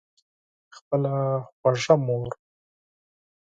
خپله خوږه مور